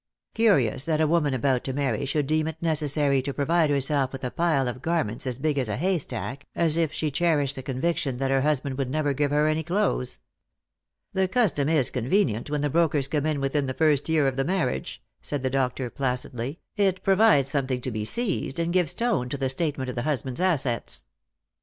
Curious that a woman about to marry should deem it necessary to provide herself with a pile of garments as big as a haystack, as if she cherished the conviction that her husband would never give her any clothes." " The custom is convenient, when the brokers come in within the first year of the marriage," said the doctor placidly ;" it provides something to be seized, and gives tone to the state ment of the husband's assets."